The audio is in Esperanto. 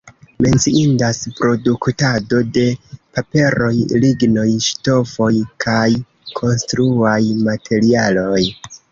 Menciindas produktado de paperoj, lignoj, ŝtofoj kaj konstruaj materialoj.